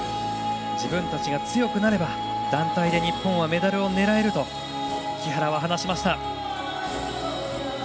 自分たちが強くなれば団体で日本はメダルを狙えると木原は話しました。